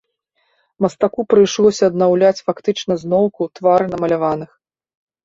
Мастаку прыйшлося аднаўляць фактычна зноўку твары намаляваных.